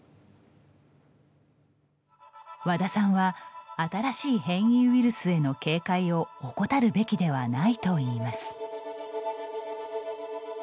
和田さんは新しい変異ウイルスへの警戒を怠るべきではないといいます。